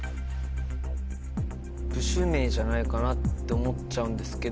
じゃないかなって思っちゃうんですけど。